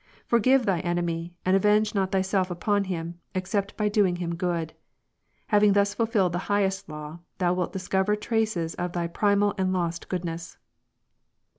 Forgive thy enemy, and avenge not thyself upon him, except by doing him good. Hav ing thus fulfilled the highest law, thou wilt discover traces of thy primal and lost greatness."